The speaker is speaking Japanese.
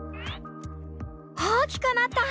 大きくなった！